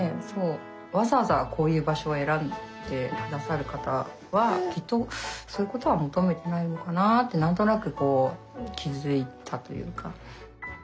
わざわざこういう場所を選んで下さる方はきっとそういうことは求めてないのかなって何となくこう気付いたというか。